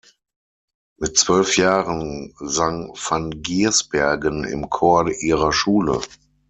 Mit zwölf Jahren sang van Giersbergen im Chor ihrer Schule.